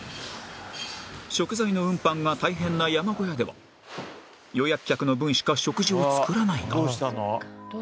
食材の運搬が大変な山小屋では予約客の分しか食事を作らないが